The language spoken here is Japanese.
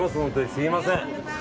すみません。